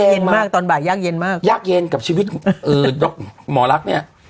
เย็นมากตอนบ่ายยากเย็นมากยากเย็นกับชีวิตหมอรักเนี่ย